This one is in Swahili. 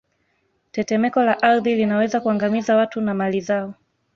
Tetemeko la ardhi linaweza kuangamiza watu na mali zao